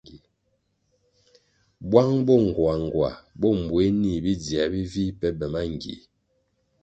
Bwang bo ngoangoa bo mbweh nih bidzioe bivih pe be mangie.